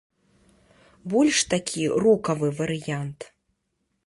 Больш такі рокавы варыянт.